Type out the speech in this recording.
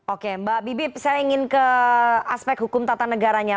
oke mbak bibip saya ingin ke aspek hukum tata negaranya